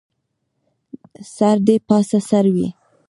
سر دې پاسه سر وي